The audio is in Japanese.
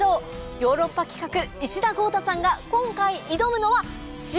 ヨーロッパ企画石田剛太さんが今回挑むのは塩！